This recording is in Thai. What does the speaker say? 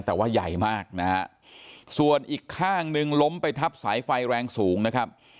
แต่ว่าใหญ่มากนะฮะส่วนอีกข้างหนึ่งล้มไปทับสายไฟแรงสูงนะครับ